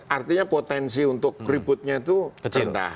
artinya potensi untuk ributnya itu rendah